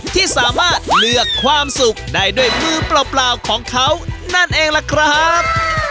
ที่สามารถเลือกความสุขได้ด้วยมือเปล่าของเขานั่นเองล่ะครับ